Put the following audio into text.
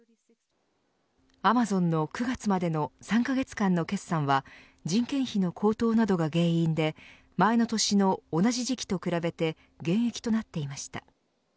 アマゾンの９月までの３カ月間の決算は人件費の高騰などが原因で前の年の同じ時期と比べて減益となっていました。